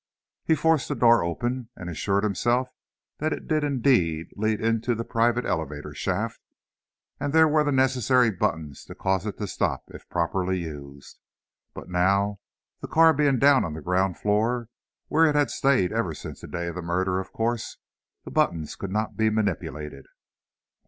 He forced the door open, and assured himself that it did indeed lead into the private elevator shaft, and there were the necessary buttons to cause it to stop, if properly used. But now, the car being down on the ground floor, where it had stayed ever since the day of the murder, of course, the buttons could not be manipulated.